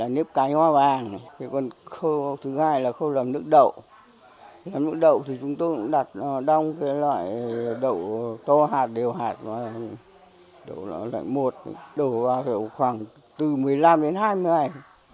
nước đậu thì chúng tôi cũng đặt đông cái loại đậu to hạt đều hạt đậu lạnh một đổ vào khoảng từ một mươi năm đến hai mươi ngày